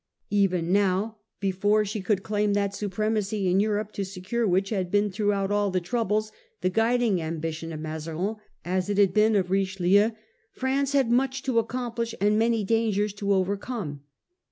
Even now, before she could claim that supremacy in Europe to secure which had been throughout all the troubles the guiding ambition of Mazarin as it had been of Richelieu, France had much to accomplish and many dangers to overcome.